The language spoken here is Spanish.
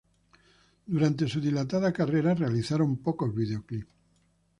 Durante su dilatada carrera realizaron pocos videoclips.